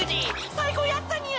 最高やったニャ！